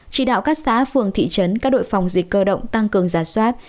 chỉ đạo các xã phường thị trấn các đội phòng dịch cơ động tăng cường giả soát